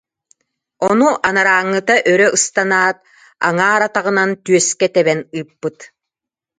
Ону анарааҥҥыта өрө ыстанаат, аҥаар атаҕынан түөскэ тэбэн ыыппыт